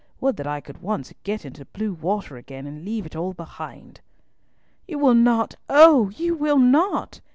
Would that I could once get into blue water again, and leave it all behind!" "You will not! Oh! you will not!"